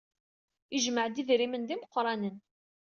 Yejmeɛ-d idrimen d imeqranen.